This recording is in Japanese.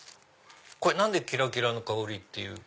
これ何でキラキラのかほりっていう。